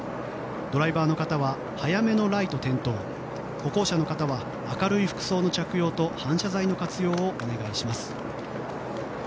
ドライバーの方は早めのライト点灯歩行者の方は明るい服装の着用と反射材の活用をお願いします。